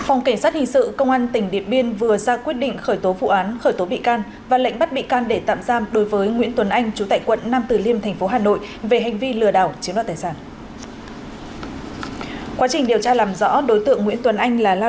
phòng cảnh sát hình sự công an tỉnh điệp biên vừa ra quyết định khởi tố vụ án khởi tố bị can và lệnh bắt bị can để tạm giam đối với nguyễn tuấn anh chú tại quận nam từ liêm thành phố hà nội về hành vi lừa đảo chiếm đoạt tài sản